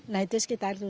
nah itu sekitar itu